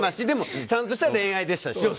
でもちゃんとした恋愛でしたし。